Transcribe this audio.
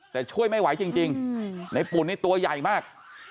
แต่ช่วยไม่ไหวจริงในปุ่นนี่ตัวใหญ่มาก